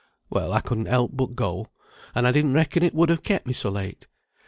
Well, I couldn't help but go; and I didn't reckon it would ha' kept me so late.